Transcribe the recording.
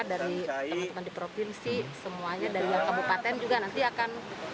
dari teman teman di provinsi semuanya dari yang kabupaten juga nanti akan